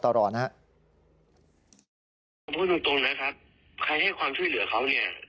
พูดตรงนะครับใครได้ความชื่อเหลือเขา